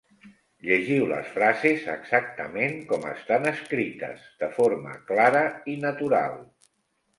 Llegiu les frases exactament com estan escrites, de forma clara i natural.